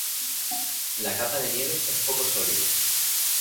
La capa de nieve es poco sólido.